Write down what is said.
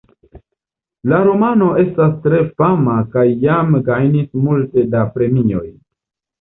La romano estas tre fama kaj jam gajnis multe da premioj.